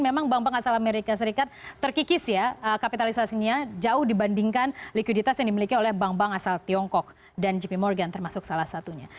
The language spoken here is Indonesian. memang bank bank asal amerika serikat terkikis ya kapitalisasinya jauh dibandingkan likuiditas yang dimiliki oleh bank bank asal tiongkok dan jp morgan termasuk salah satunya